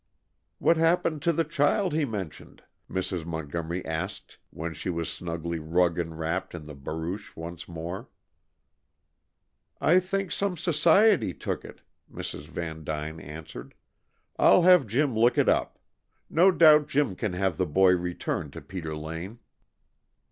"What happened to the child he mentioned?" Mrs. Montgomery asked when she was snugly rug enwrapped in the barouche once more. "I think some society took it," Mrs. Van dyne answered. "I'll have Jim look it up. No doubt Jim can have the boy returned to Peter Lane."